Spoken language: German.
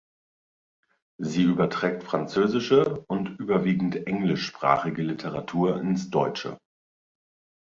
Sie überträgt französische und überwiegend englischsprachige Literatur ins Deutsche.